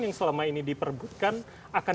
yang selama ini diperbutkan akan